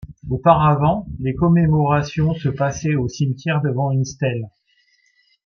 Auparavant les commémorations se passaient au cimetière devant une stèle.